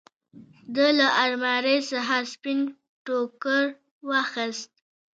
ده له المارۍ څخه سپين ټوکر واخېست.